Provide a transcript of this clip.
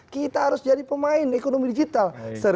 kita harus jadi pemain ekonomi digital